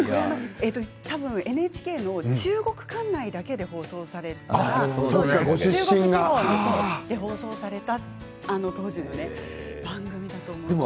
ＮＨＫの中国管内だけで放送されたものだと思います。